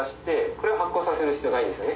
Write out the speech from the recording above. これは発酵させる必要ないんですよね。